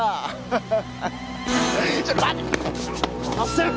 ハハハハ。